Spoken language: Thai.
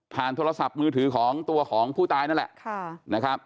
โทรศัพท์มือถือของตัวของผู้ตายนั่นแหละนะครับ